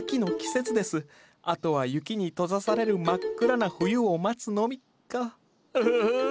あとは雪に閉ざされる真っ暗な冬を待つのみか。